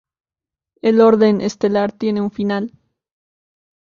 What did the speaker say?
El Orden Estelar tiene un final.